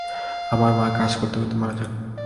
আমার মা কাজ করতে করতে মারা যান।